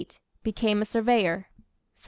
Became a surveyor. 1753.